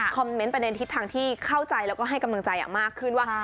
เมนต์ประเด็นทิศทางที่เข้าใจแล้วก็ให้กำลังใจมากขึ้นว่า